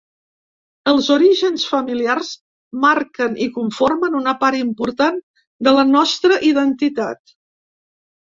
Els orígens familiars marquen i conformen una part important de la nostra identitat.